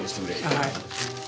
はい。